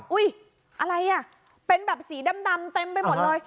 อะไรอ่ะเป็นแบบสีดำเต็มไปหมดเลย